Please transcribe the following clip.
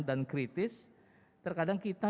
dan kritis terkadang kita